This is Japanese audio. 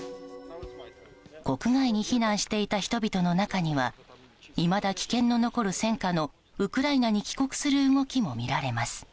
国外に避難していた人々の中にはいまだ危険の残る戦禍のウクライナに帰国する動きも見られます。